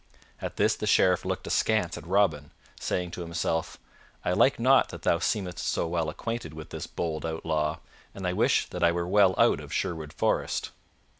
At this the Sheriff looked askance at Robin, saying to himself, "I like not that thou seemest so well acquainted with this bold outlaw, and I wish that I were well out of Sherwood Forest."